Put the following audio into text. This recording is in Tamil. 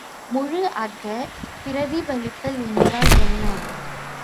முழு அகப் பிரதிபலித்தல் என்றால் என்ன?